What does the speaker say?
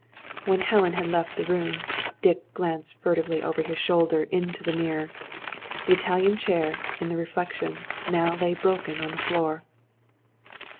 When Helen had left the room, Dick glanced furtively over his shoulder into the mirror. The Italian chair, in the reflection, now lay broken on the floor!